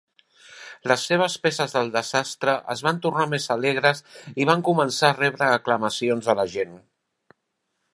Les seves "peces del desastre" es van tornar més alegres i van començar a rebre aclamacions de la gent.